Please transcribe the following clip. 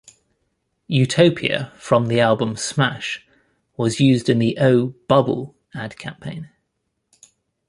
"Utopia", from the album "Smash", was used in the O 'bubble' ad campaign.